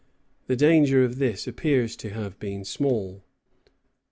The danger of this appears to have been small.